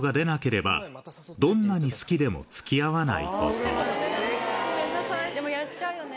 ・おやすみなさい・でもやっちゃうよね。